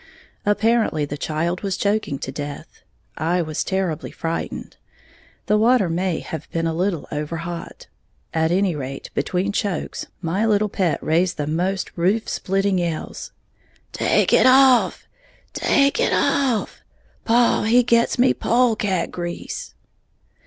Apparently the child was choking to death, I was terribly frightened, the water may have been a little over hot. At any rate, between chokes, my "little pet" raised the most roof splitting yells. "Take it off! Take it off! Paw he gits me pole cat grease!"